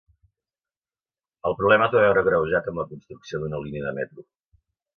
El problema es va veure agreujat amb la construcció d'una línia de metro.